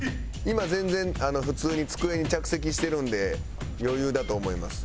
今全然普通に机に着席してるんで余裕だと思います。